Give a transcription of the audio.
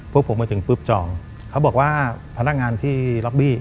พวกผมมาถึงปุ๊บจองเขาบอกว่าพนักงานที่ล็อบบี้